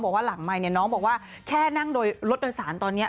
หลังไมค์เนี่ยน้องบอกว่าแค่นั่งโดยรถโดยสารตอนนี้